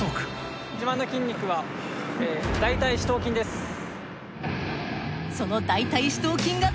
自慢の筋肉は大腿四頭筋です。